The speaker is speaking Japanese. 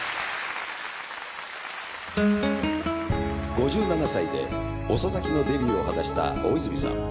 ５７歳で遅咲きのデビューを果たした大泉さん。